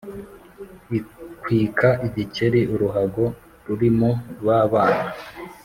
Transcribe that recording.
ikwika igikeri uruhago rurimo ba bana,